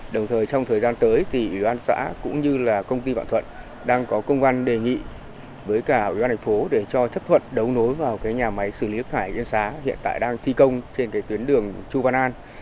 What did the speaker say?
đồng thời trong thời gian tới thì ủy ban xã cũng như là công ty vạn thuận đang có công văn đề nghị với cả ủy ban thành phố để cho chấp thuận đấu nối vào nhà máy xử lý thải yên xá hiện tại đang thi công trên tuyến đường chu văn an